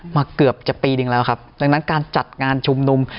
เกือบจะปีนึงแล้วครับดังนั้นการจัดงานชุมนุม